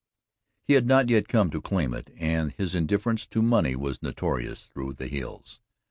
He had not yet come to claim it, and his indifference to money was notorious through the hills.